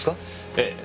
ええ。